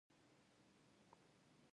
د افغانستان راتلونکی روښانه دی.